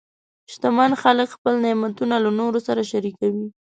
شتمن خلک خپل نعمتونه له نورو سره شریکوي.